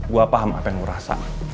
gue paham apa yang gue rasa